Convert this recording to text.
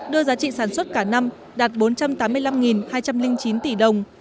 đưa giá trị sản xuất cả năm đạt bốn trăm tám mươi năm hai trăm linh chín tỷ đồng